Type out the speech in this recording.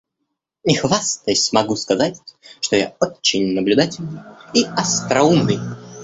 Не хвастаясь, могу сказать, что я очень наблюдательный и остроумный.